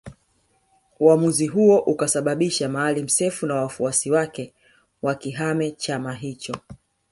Uamuzi huo ukasababisha Maalim Self na wafuasi wake wakihame chama hicho